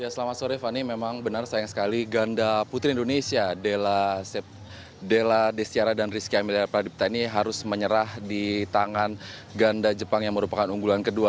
selamat sore fani memang benar sayang sekali ganda putri indonesia della destiara dan rizky amelia pradipta ini harus menyerah di tangan ganda jepang yang merupakan unggulan kedua